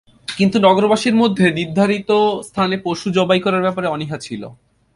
কিন্তু নগরবাসীর মধ্যে নির্ধারিত স্থানে পশু জবাই করার ব্যাপারে অনীহা ছিল।